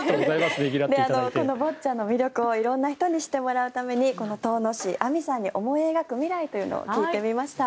このボッチャの魅力を色んな人に知ってもらうためにこの唐司あみさんに思い描く未来というのを聞いてみました。